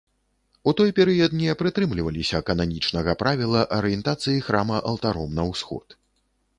У той перыяд не прытрымліваліся кананічнага правіла арыентацыі храма алтаром на ўсход.